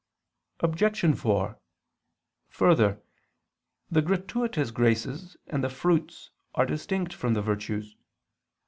Obj. 4: Further, the gratuitous graces and the fruits are distinct from the virtues.